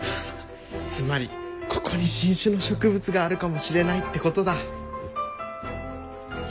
つまりここに新種の植物があるかもしれないってことだ？